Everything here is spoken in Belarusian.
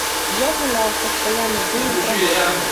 І я гуляў, пастаянна думаў пра гэта.